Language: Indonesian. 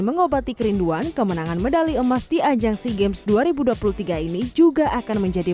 mengobati kerinduan kemenangan medali emas di ajang sea games dua ribu dua puluh tiga ini juga akan menjadi